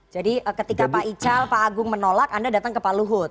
jadi ketika pak ical pak agung menolak anda datang ke pak luhut